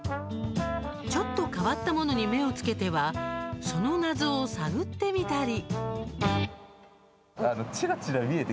ちょっと変わったものに目を付けてはその謎を探ってみたり。